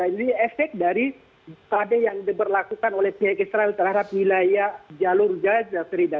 ini efek dari kd yang diberlakukan oleh pihak israel terhadap wilayah jalur gaza frida